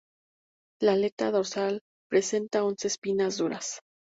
La aleta dorsal presenta once espinas duras.